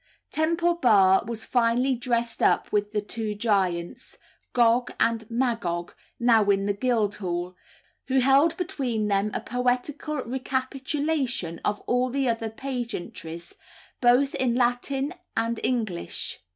Temple Bar was "finely dressed" up with the two giants Gog and Magog (now in the Guildhall) who held between them a poetical recapitulation of all the other pageantries, both in Latin and English.